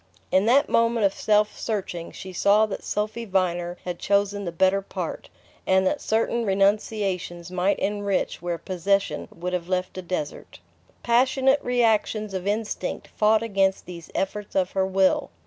In that moment of self searching she saw that Sophy Viner had chosen the better part, and that certain renunciations might enrich where possession would have left a desert. Passionate reactions of instinct fought against these efforts of her will.